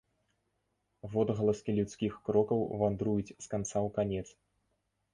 Водгаласкі людскіх крокаў вандруюць з канца ў канец.